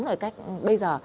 rồi cách bây giờ